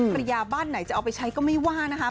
ยาบ้านไหนจะเอาไปใช้ก็ไม่ว่านะคะ